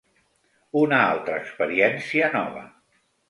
Una altra experiència nova.